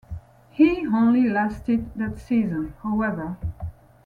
He only lasted that season, however.